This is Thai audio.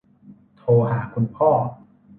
โทรหาคุณพ่อ